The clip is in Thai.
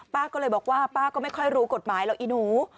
ป้าก็เลยบอกว่าป้าก็ไม่ค่อยรู้กฎหมายหรอกอีหนู